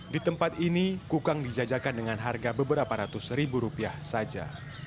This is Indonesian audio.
di tempat ini kukang dijajakan dengan harga beberapa ratus ribu rupiah saja